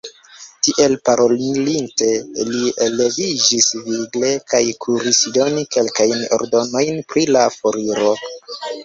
Tiel parolinte, li leviĝis vigle, kaj kuris doni kelkajn ordonojn pri la foriro.